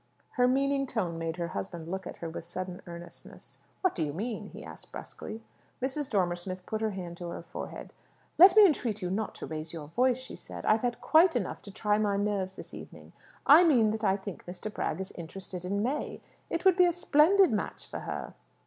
Her meaning tone made her husband look at her with sudden earnestness. "What do you mean?" he asked brusquely. Mrs. Dormer Smith put her hand to her forehead. "Let me entreat you not to raise your voice!" she said. "I have had quite enough to try my nerves this evening. I mean that I think Mr. Bragg is interested in May. It would be a splendid match for her."